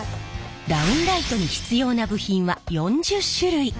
ダウンライトに必要な部品は４０種類。